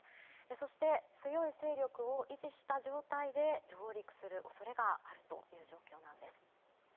そして強い勢力を維持した状態で上陸する恐れがあるという状況です。